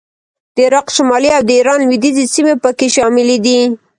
د عراق شمالي او د ایران لوېدیځې سیمې په کې شاملې دي